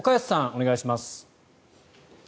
お願いします。